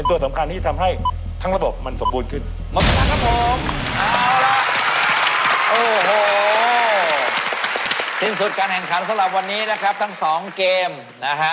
สิ้นสุดการแห่งขันสำหรับวันนี้นะครับทั้งสองเกมนะฮะ